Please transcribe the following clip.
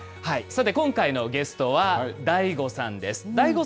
さて今回のゲストはＤＡＩＧＯさんです。